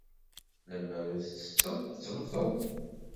Lemmer ur tettetteḍ, ad temmteḍ.